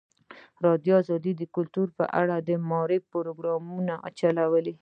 ازادي راډیو د کلتور په اړه د معارفې پروګرامونه چلولي.